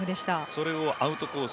それをアウトコース